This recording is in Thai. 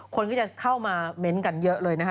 คนก็จะเข้ามาเม้นต์กันเยอะเลยนะคะ